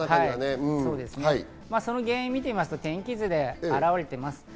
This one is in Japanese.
その原因を見てみますと、天気図に表れています。